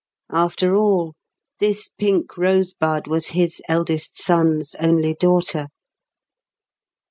After all, this pink rosebud was his eldest son's only daughter.